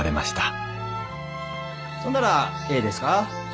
そんならええですか？